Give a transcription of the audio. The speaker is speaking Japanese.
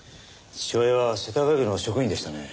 父親は世田谷区の職員でしたね。